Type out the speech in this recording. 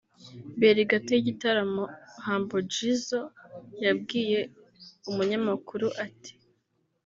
Mbere gato y’igitaramo Humble Jizzo yabwiye umunyamakuru ati